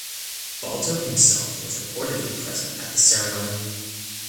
Balto himself was reportedly present at the ceremony.